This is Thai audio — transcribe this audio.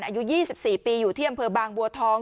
อายุ๒๔ปีอยู่ที่อำเภอบางบัวทอง